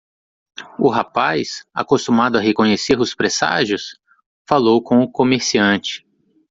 O rapaz? acostumado a reconhecer os presságios? falou com o comerciante.